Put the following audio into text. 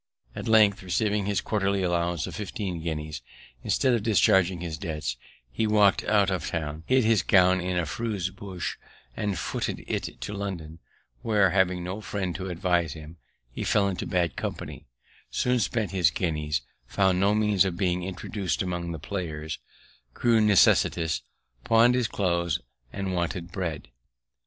At length, receiving his quarterly allowance of fifteen guineas, instead of discharging his debts he walk'd out of town, hid his gown in a furze bush, and footed it to London, where, having no friend to advise him, he fell into bad company, soon spent his guineas, found no means of being introduc'd among the players, grew necessitous, pawn'd his cloaths, and wanted bread.